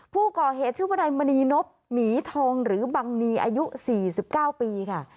ผู้ก่อเหตุชื่อวนายมณีนบหมีทองหรือบังนีอายุ๔๙ปีค่ะ